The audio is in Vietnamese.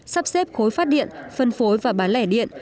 sắp xếp khối phát điện phân phối và bán lẻ điện